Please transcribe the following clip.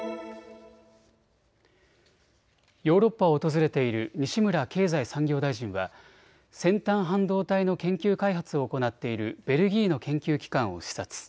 ヨーロッパを訪れている西村経済産業大臣は先端半導体の研究開発を行っているベルギーの研究機関を視察。